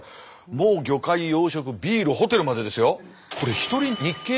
もう魚介養殖ビールホテルまでですよ。